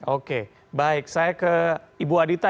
oke baik saya ke ibu adita